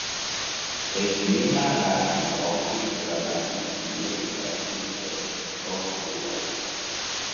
Es vienmēr esmu atbalstījis gradācijas pieeju saistību dzēšanas procedūrai.